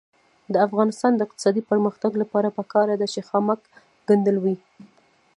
د افغانستان د اقتصادي پرمختګ لپاره پکار ده چې خامک ګنډل وي.